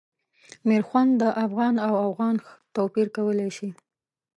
میرخوند د افغان او اوغان توپیر کولای شي.